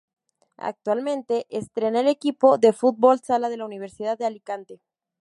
Actualmente, entrena al equipo de fútbol sala de la Universidad de Alicante.